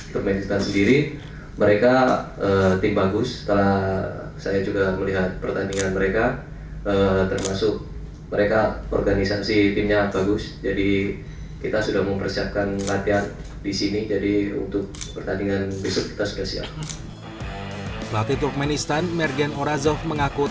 pemain timnas indonesia tidak ingin jemawa dan tetap mewaspadai timnas indonesia sebagai tim yang solid dan bagus